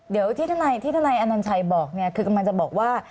เดี๋ยวที่ท่านายอนัญชัยบอกคือมันจะบอกว่า